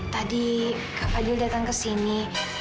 tadi kak fadil datang ke sini